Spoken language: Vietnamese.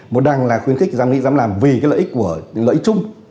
một đằng là khuyến khích dám nghĩ dám làm vì cái lợi ích của lợi ích chung